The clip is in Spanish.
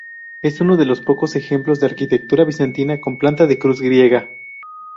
Es uno de los pocos ejemplos de arquitectura bizantina con planta de cruz griega.